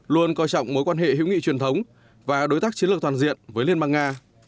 luôn coi trọng mối quan hệ hữu nghị truyền thống và đối tác chiến lược toàn diện với liên bang nga